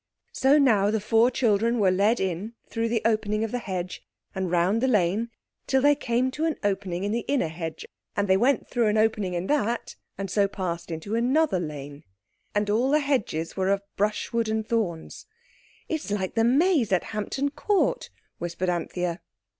So now the four children were led in through the opening of the hedge and round the lane till they came to an opening in the inner hedge, and they went through an opening in that, and so passed into another lane. The thing was built something like this, and all the hedges were of brushwood and thorns: "It's like the maze at Hampton Court," whispered Anthea.